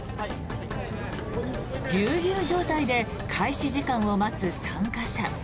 ぎゅうぎゅう状態で開始時間を待つ参加者。